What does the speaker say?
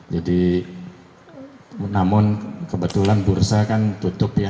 jadi namun kebetulan bursa kan tutup ya